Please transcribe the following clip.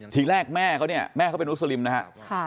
ทีแรกแม่เขาเนี่ยแม่เขาเป็นมุสลิมนะฮะ